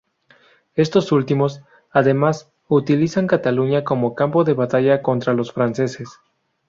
Estos últimos, además, utilizan Cataluña como campo de batalla contra los franceses.